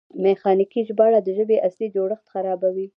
میخانیکي ژباړه د ژبې اصلي جوړښت خرابوي.